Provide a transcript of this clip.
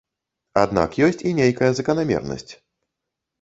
Аднак ёсць і нейкая заканамернасць.